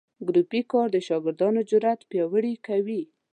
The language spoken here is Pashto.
ګروپي کار د شاګردانو جرات پیاوړي کوي.